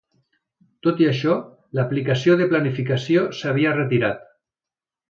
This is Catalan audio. Tot i això, l"aplicació de planificació s"havia retirat.